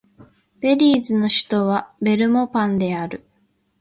ベリーズの首都はベルモパンである